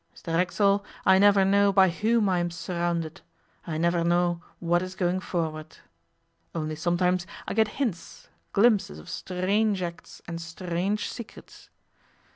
Mr Racksole, I never know by whom I am surrounded. I never know what is going forward. Only sometimes I get hints, glimpses of strange acts and strange secrets.